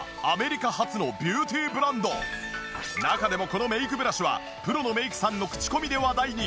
中でもこのメイクブラシはプロのメイクさんの口コミで話題に。